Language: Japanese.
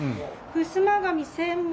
ふすま紙専門？